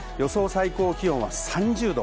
最高気温は３０度。